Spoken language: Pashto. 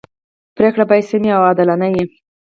پریکړي باید سمي او عادلانه يي.